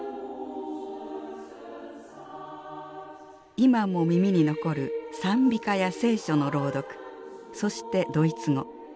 今も耳に残る賛美歌や聖書の朗読そしてドイツ語。